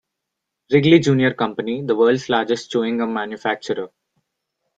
Wrigley Junior Company, the world's largest chewing-gum manufacturer.